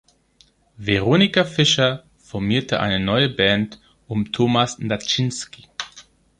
Veronika Fischer formierte eine neue Band um Thomas Natschinski.